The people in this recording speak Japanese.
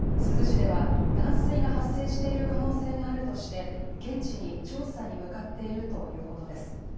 珠洲市では断水が発生している可能性があるとして現地に調査に向かっているということです。